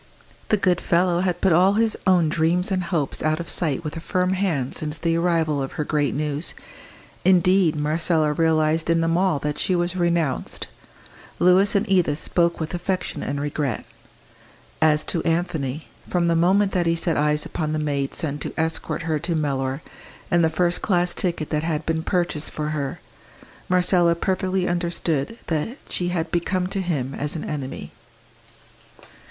The good fellow had put all his own dreams and hopes out of sight with a firm hand since the arrival of her great news. Indeed, Marcella realised in them all that she was renounced. Louis and Edith spoke with affection and regret. As to Anthony, from the moment that he set eyes upon the maid sent to escort her to Mellor, and the first class ticket that had been purchased for her, Marcella perfectly understood that she had become to him as an enemy.